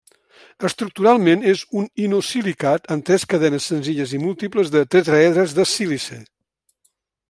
Estructuralment és un inosilicat amb tres cadenes senzilles i múltiples de tetraedres de sílice.